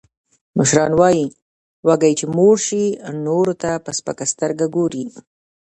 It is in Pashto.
مشران وایي، وږی چې موړ شي، نورو ته په سپکه سترگه گوري.